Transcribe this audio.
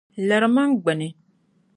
Lirimi m gbini!